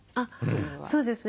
そうですね。